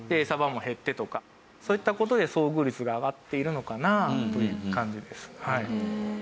そういった事で遭遇率が上がっているのかなという感じですね。